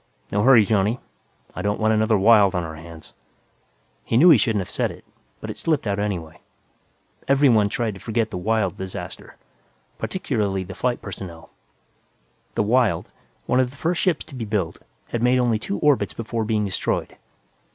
"No hurry, Johnny. I don't want another Wyld on our hands." He knew he shouldn't have said it, but it slipped out anyway. Everyone tried to forget the Wyld disaster, particularly the flight personnel. The Wyld, one of the first ships to be built, had made only two orbits before being destroyed.